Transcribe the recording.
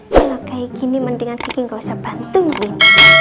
kalau kayak gini mendingan kaki gak usah bantuin